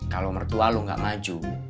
kalo mertua lu gak maju